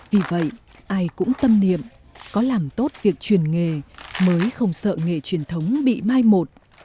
vì vậy ai cũng tâm niệm có làm tốt việc truyền nghề mới không sợ nghề truyền thống bị mai một